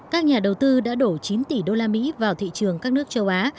các nhà đầu tư đã đổ chín tỷ đô la mỹ vào thị trường các nước châu á